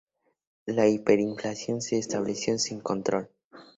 La hiperinflación se estableció sin control.